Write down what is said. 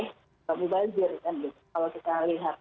tidak membajir kalau kita lihat